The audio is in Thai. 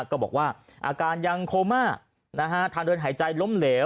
ก็บอกว่าอาการยังโคม่าทางเดินหายใจล้มเหลว